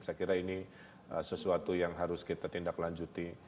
saya kira ini sesuatu yang harus kita tindak lanjuti